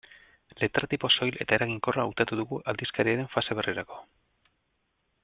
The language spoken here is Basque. Letra-tipo soil eta eraginkorra hautatu dugu aldizkariaren fase berrirako.